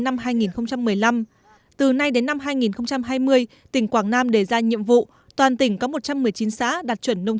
năm hai nghìn một mươi năm từ nay đến năm hai nghìn hai mươi tỉnh quảng nam đề ra nhiệm vụ toàn tỉnh có một trăm một mươi chín xã đạt chuẩn nông